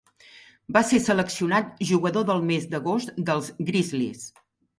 Va ser seleccionat Jugador del mes d'agost dels Grizzlies.